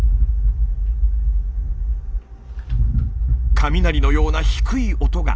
雷のような低い音が。